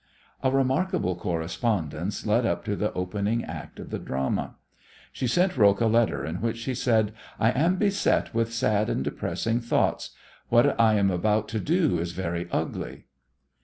A remarkable correspondence led up to the opening act of the drama. She sent Roques a letter, in which she said, "I am beset with sad and depressing thoughts. What I am about to do is very ugly."